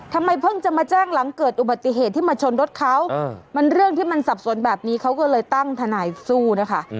ทำไมเพิ่งจะมาแจ้งหลังเกิดอุบัติเหตุที่มาชนรถเขามันเรื่องที่มันสับสนแบบนี้เขาก็เลยตั้งทนายสู้นะคะ